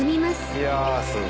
いやすごい。